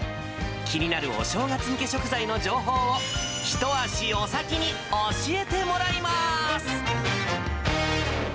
気になるお正月向け食材の情報を一足お先に教えてもらいます。